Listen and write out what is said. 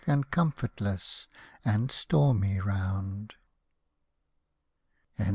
And comfortless, and stormy round